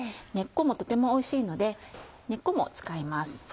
根っこもとてもおいしいので根っこも使います。